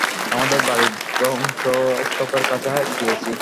আমাদের বাড়ির ধ্বংসস্তুপের কাছে গিয়েছি।